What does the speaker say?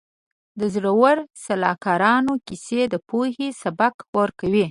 د زړورو سلاکارانو کیسه د پوهې سبق ورکوي.